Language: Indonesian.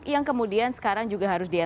yang kemudian sekarang juga harus diajarkan